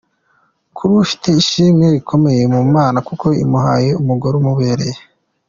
Kuri ubu afite ishimwe rikomeye ku Mana kuko imuhaye umugore umubereye.